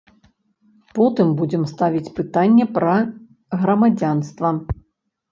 Потым будзем ставіць пытанне пра грамадзянства.